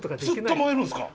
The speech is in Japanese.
ずっと燃えるんですか？